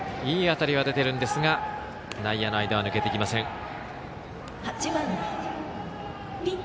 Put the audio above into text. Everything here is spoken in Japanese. いい当たりは出ているんですが内野の間は抜けていきません。